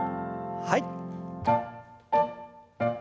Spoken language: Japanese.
はい。